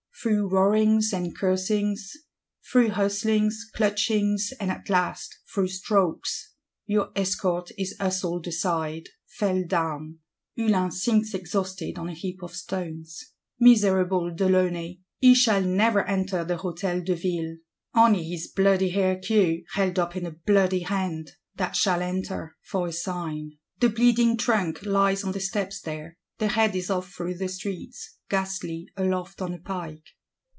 Through roarings and cursings; through hustlings, clutchings, and at last through strokes! Your escort is hustled aside, felled down; Hulin sinks exhausted on a heap of stones. Miserable de Launay! He shall never enter the Hotel de Ville: only his "bloody hair queue, held up in a bloody hand;" that shall enter, for a sign. The bleeding trunk lies on the steps there; the head is off through the streets; ghastly, aloft on a pike.